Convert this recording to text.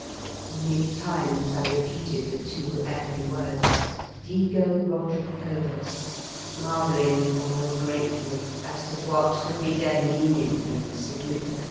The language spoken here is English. Many times I repeated the two ebon words " DlGO RODRICOVEZ, " marvel ling the while greatly as to what could be their meaning and significance.